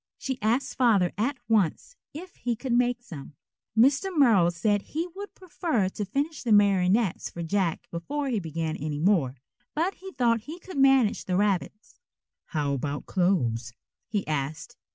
She asked Father at once if he could make some. Mr. Merrill said he would prefer to finish the marionettes for Jack before he began any more, but he thought he could manage the rabbits. "How about clothes?" he asked.